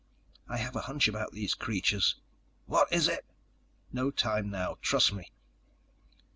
_ "I have a hunch about these creatures." "What is it?" _"No time now. Trust me."